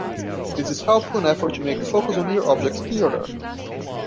This is helpful in effort to make focus on near objects clearer.